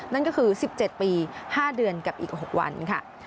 นั่นก็คือ๑๗ปี๕เดือนกับอีก๖วันค่ะ